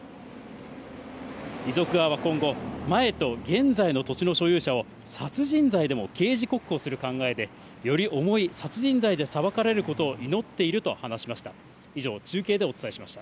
遺族側は今後、前と現在の土地の所有者を殺人罪でも刑事告訴する考えで、より重い殺人罪で裁かれることを祈っていると話しました。